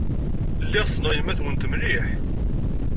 Lliɣ ssneɣ yemma-twent mliḥ.